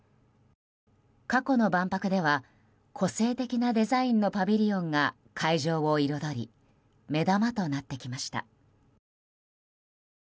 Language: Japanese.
過去の万博では個性的なデザインのパビリオンが会場を彩り目玉となってきました。